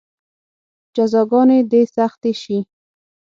جزاګانې دې سختې شي.